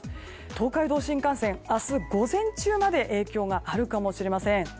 東海道新幹線、明日午前中まで影響があるかもしれません。